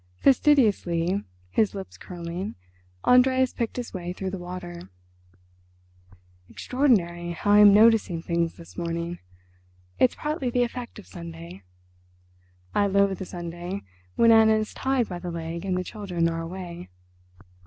Fastidiously, his lips curling, Andreas picked his way through the water. "Extraordinary how I am noticing things this morning. It's partly the effect of Sunday. I loathe a Sunday when Anna's tied by the leg and the children are away.